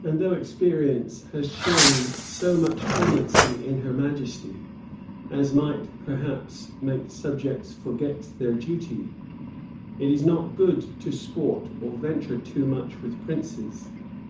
And though experience has shown so much clemency in her majesty, as might, perhaps, make subjects forget their duty, it is not good to sport or venture too much with princes.